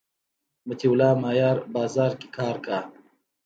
مطیع الله مایار بازار کی کار کا